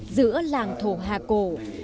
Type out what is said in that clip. giữa làng thổ hà cổ